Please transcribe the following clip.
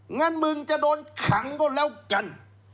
งั้นมึงจะโดนขังก็แล้วกัน